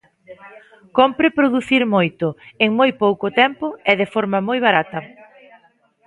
Cómpre producir moito, en moi pouco tempo e de forma moi barata.